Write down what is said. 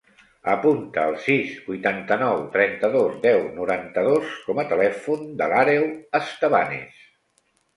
Apunta el sis, vuitanta-nou, trenta-dos, deu, noranta-dos com a telèfon de l'Àreu Estebanez.